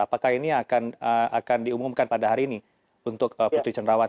apakah ini akan diumumkan pada hari ini untuk putri cendrawati